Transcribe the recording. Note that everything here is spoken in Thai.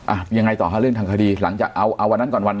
อ่ะยังไงต่อฮะเรื่องทางคดีหลังจากเอาเอาวันนั้นก่อนวัน